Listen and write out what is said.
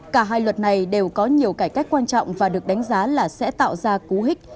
cả hai luật này đều có nhiều cải cách quan trọng và được đánh giá là sẽ tạo ra cú hích